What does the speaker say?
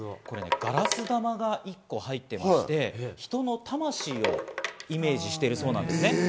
これガラス玉が１個入ってまして、人の魂をイメージしているそうなんです。